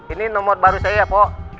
ini nomor baru saya bu